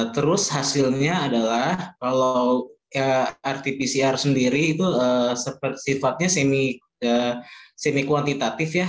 terus hasilnya adalah kalau rt pcr sendiri itu sifatnya semi kuantitatif ya